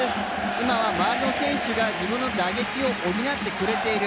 今は周りの選手が自分の打撃を補ってくれている。